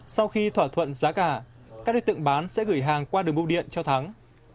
sau khi thỏa thuận giá cả các đối tượng bán sẽ gửi hàng qua đường bưu điện cho thắng